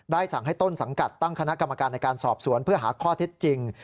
สั่งให้ต้นสังกัดตั้งคณะกรรมการในการสอบสวนเพื่อหาข้อเท็จจริง